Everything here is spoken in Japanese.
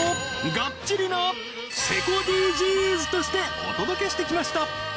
「がっちり」なセコＤＧｓとしてお届けしてきました